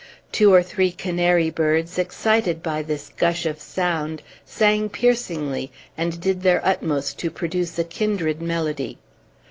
Two or three canary birds, excited by this gush of sound, sang piercingly, and did their utmost to produce a kindred melody.